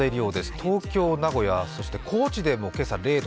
東京、名古屋、そして高知でも今朝は０度。